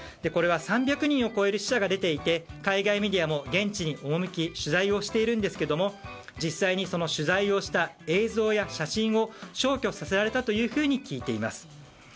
これは３００人を超える死者が出ていて海外メディアも現地に赴き取材をしているんですけども実際に取材をした映像や写真を消去させられたというふうに聞いています。